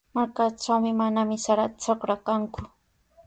Markaatrawmi manami sara trakra kanku.